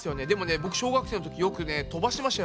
僕小学生のときよくね飛ばしてましたよ。